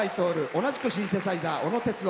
同じくシンセサイザー、小野哲生。